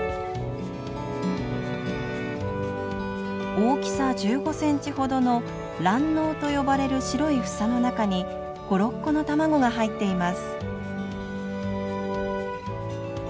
大きさ１５センチほどの卵のうと呼ばれる白い房の中に５６個の卵が入っています。